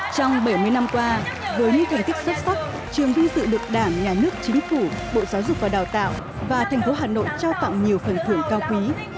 trong bảy mươi năm qua với những thành tích xuất sắc trường viên sự lực đảm nhà nước chính phủ bộ giáo dục và đào tạo và thành phố hà nội trao tặng nhiều phần thưởng cao quý